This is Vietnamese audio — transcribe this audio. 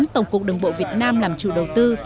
tổng cục đường bộ việt nam làm chủ đầu tư